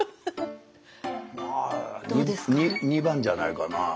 まあ２番じゃないかな。